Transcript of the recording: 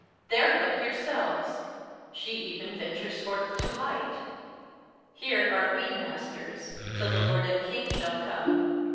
There look, yourselves! She even ventures forth to Hght! Here are we masters, till the lord and king shall come.